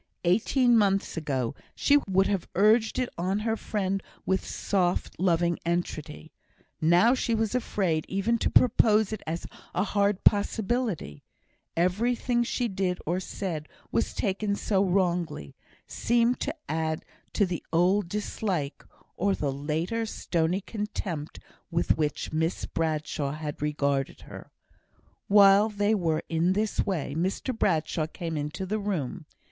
Eighteen months ago she would have urged it on her friend with soft, loving entreaty; now she was afraid even to propose it as a hard possibility; everything she did or said was taken so wrongly seemed to add to the old dislike, or the later stony contempt with which Miss Bradshaw had regarded her. While they were in this way Mr Bradshaw came into the room.